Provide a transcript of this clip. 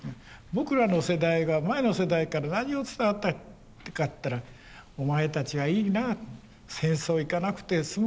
僕らの世代が前の世代から何を伝わったかって言ったらお前たちはいいな戦争行かなくてすむもんな。